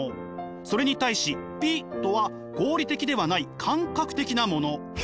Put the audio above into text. それに対し美とは合理的ではない感覚的なもの。